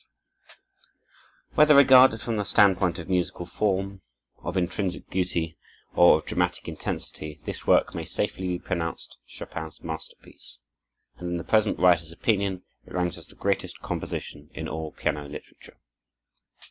35 Whether regarded from the standpoint of musical form, of intrinsic beauty, or of dramatic intensity, this work may safely be pronounced Chopin's masterpiece; and in the present writer's opinion it ranks as the greatest composition in all piano literature.